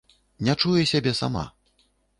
Не чуе сябе сама.